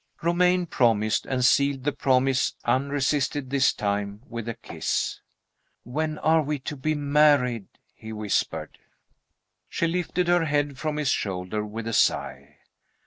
Romayne promised, and sealed the promise unresisted this time with a kiss. "When are we to be married?" he whispered. She lifted her head from his shoulder with a sigh.